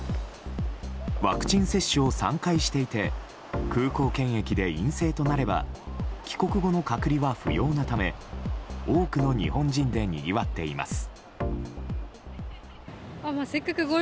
ワクチン接種を３回していて空港検疫で陰性となれば帰国後の隔離は不要なため多くの日本人でにぎわっています。